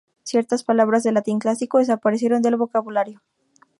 Ciertas palabras del latín clásico desaparecieron del vocabulario.